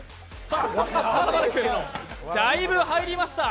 だいぶ入りました。